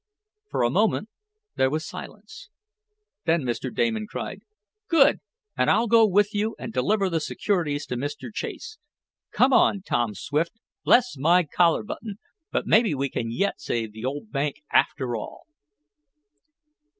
For a moment there was silence. Then Mr. Damon cried: "Good! And I'll go with you and deliver the securities to Mr. Chase. Come on, Tom Swift! Bless my collar button, but maybe we can yet save the old bank after all!"